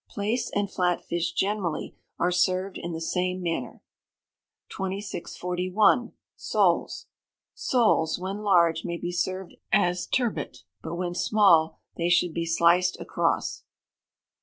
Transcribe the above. Plaice and flat fish generally, are served in the same manner. 2641. Soles. Soles, when large, may be served as turbot; but when small they should be sliced across.